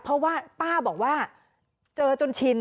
เพราะว่าป้าบอกว่าเจอจนชิน